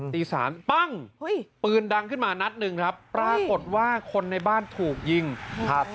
ตีสามปั้งปืนดังขึ้นมานัดหนึ่งครับปรากฏว่าคนในบ้านถูกยิงครับ